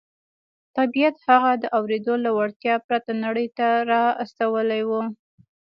طبیعت هغه د اورېدو له وړتیا پرته نړۍ ته را استولی و